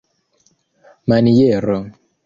maniero